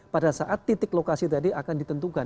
pada saat titik lokasi tadi akan ditentukan